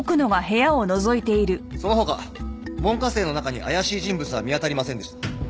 その他門下生の中に怪しい人物は見当たりませんでした。